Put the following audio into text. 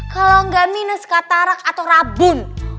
kalau nggak minus katarak atau rabun